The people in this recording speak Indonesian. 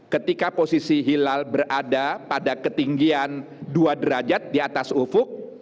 ketika posisi hilal berada pada ketinggian dua derajat di atas ufuk